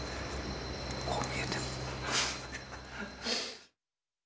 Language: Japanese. こう見えてもフフ。